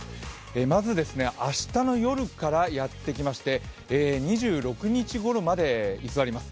まず明日の夜からやってきまして、２６日ごろまで居座ります。